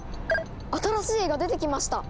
新しい絵が出てきました！